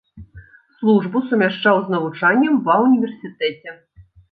Службу сумяшчаў з навучаннем ва ўніверсітэце.